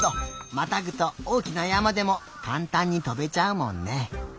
またぐとおおきなやまでもかんたんにとべちゃうもんね。